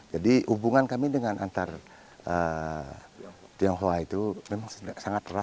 jadi hubungan kami dengan antar tionghoa itu memang sangat ras dari dulu